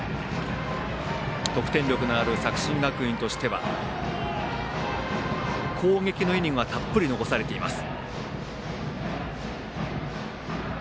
得点力のある作新学院としては攻撃のイニングはたっぷり残されています。